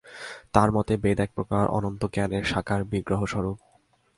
তাঁর মতে বেদ এক প্রকার অনন্ত জ্ঞানের সাকার বিগ্রহ-স্বরূপ।